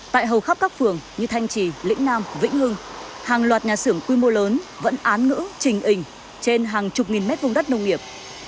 tại hầu khắp các phường như thanh trì lĩnh nam vĩnh hưng hàng loạt nhà xưởng quy mô lớn vẫn án ngữ trình ảnh trên hàng chục nghìn mét vùng đất nông nghiệp